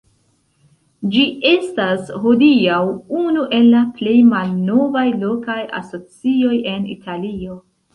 Ĝi estas hodiaŭ unu el la plej malnovaj lokaj asocioj en Italio.